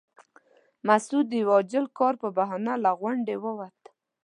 مسعود د یوه عاجل کار په بهانه له غونډې ووت.